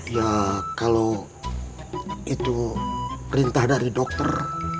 ya kalau itu perintah dari dokter